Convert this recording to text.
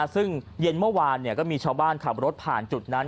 ซึ่งเย็นเมื่อวานก็มีชาวบ้านขับรถผ่านจุดนั้น